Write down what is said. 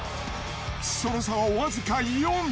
その差は僅か４。